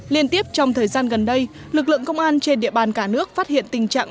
liên tiếp trong thời gian gần đây lực lượng công an trên địa bàn cả nước phát hiện tình trạng